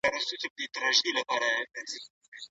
ژوند د مرګ سره ډغري وهي